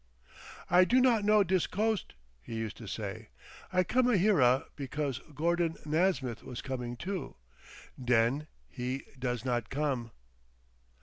"I do not know dis coast," he used to say. "I cama hera because Gordon Nasmyth was coming too. Den he does not come!"